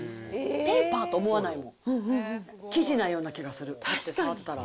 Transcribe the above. ペーパーと思わないもん、生地なような気がする、触ったら。